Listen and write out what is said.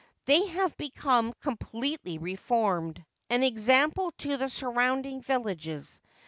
They have become com pletely reformed, an example to the surrounding villages.